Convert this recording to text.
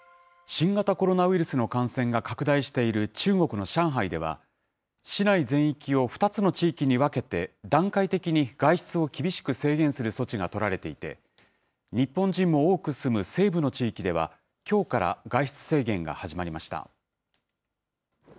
新型コロナウイルスの感染が拡大している中国の上海では、市内全域を２つの地域に分けて、段階的に外出を厳しく制限する措置が取られていて、日本人も多く住む西部の地域では、きょうから外出制限が始まりました。